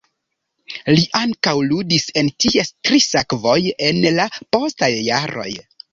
Li ankaŭ ludis en ties tri sekvoj en la postaj jaroj.